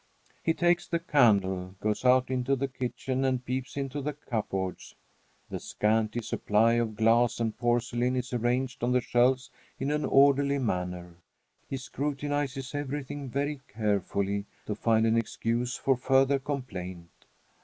He takes the candle, goes out into the kitchen, and peeps into the cupboards. The scanty supply of glass and porcelain is arranged on the shelves in an orderly manner. He scrutinizes everything very carefully to find an excuse for further complaint.